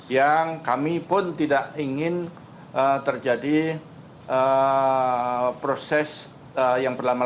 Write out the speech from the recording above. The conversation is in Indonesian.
yang kami pun tidak ingin terjadi proses yang berlama lama